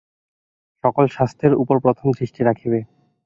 সকলের স্বাস্থ্যের উপর প্রথম দৃষ্টি রাখিবে।